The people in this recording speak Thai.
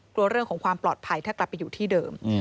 กลัวเรื่องของความปลอดภัยถ้ากลับไปอยู่ที่เดิม